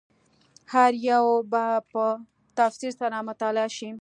هر یو به په تفصیل سره مطالعه شي.